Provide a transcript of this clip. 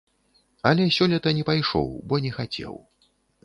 Але сёлета не пайшоў, бо не хацеў.